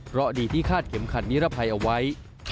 เพราะดีที่คาดเข็มขัดนิรภัยเอาไว้